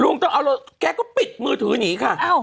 ลุงต้องเอาแกก็ปิดมือถือหนีค่ะ